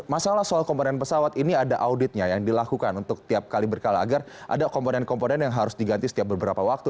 masalah soal komponen pesawat ini ada auditnya yang dilakukan untuk tiap kali berkala agar ada komponen komponen yang harus diganti setiap beberapa waktu